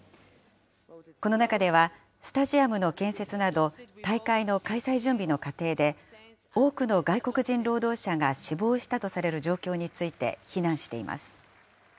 この中では、スタジアムの建設など、大会の開催準備の過程で、多くの外国人労働者が死亡したとされる状況について非難しています。